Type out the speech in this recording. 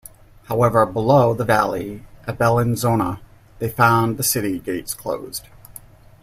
However, below the valley at Bellinzona, they found the city gates closed.